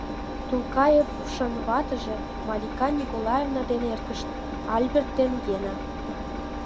Тулкаевшын ватыже — Малика Николаевна ден эргышт — Альберт ден Гена.